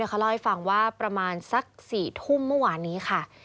เขาเล่าให้ฟังว่าประมาณสัก๔ทุ่มเมื่อวานนี้ค่ะ